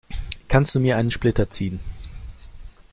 Kannst du mir einen Splitter ziehen?